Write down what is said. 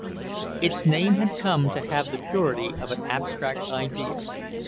Its name had come to have the purity of an abstract idea.